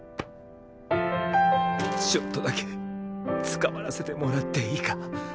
ちょっとだけつかまらせてもらっていいか。